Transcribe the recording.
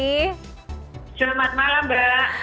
selamat malam mbak